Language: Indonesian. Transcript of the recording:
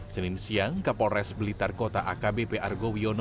senin siang kapolres blitar kota akbp argo wiono